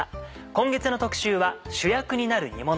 今月の特集は主役になる煮もの。